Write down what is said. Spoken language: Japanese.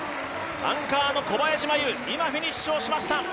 アンカーの小林茉由、今フィニッシュをしました。